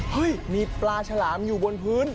มีปลาฉลามอยู่บนพื้น